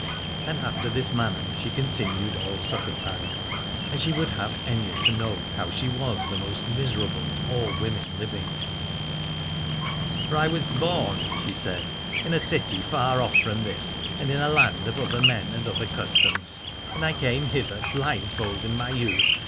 And after this manner she continued all supper time, and she would have Aithne to know how she was the most miserable of all women living. For I was born, she said, in a city far off from this, in a land of other men and other customs, and I came hither blindfold in my youth.